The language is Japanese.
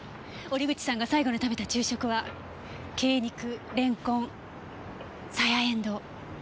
折口さんが最後に食べた昼食は鶏肉れんこんさやえんどう。